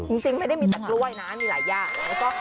จริงไม่ได้มีแต่กล้วยนะมีหลายอย่างแล้วก็